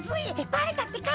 バレたってか！